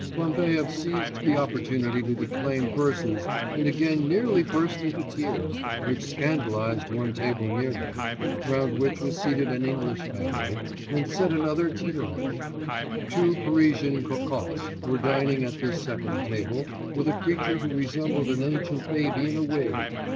Bambaev seized the opportunity to declaim verses and again nearly burst into tears, which scandalised one table near them, round which was seated an English family, and set another tittering; two Parisian cocottes were dining at this second table with a creature who resembled an ancient baby in a wig.